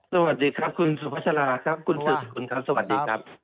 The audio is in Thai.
สวัสดีครับคุณสุภาษาลาครับคุณสืบสกุลครับสวัสดีครับ